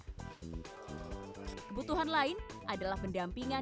kebutuhan lain adalah pendampingan